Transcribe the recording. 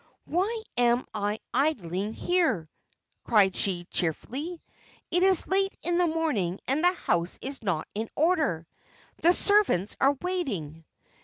"Why am I idling here?" cried she cheerfully. "It is late in the morning and the house is not in order! The servants are waiting."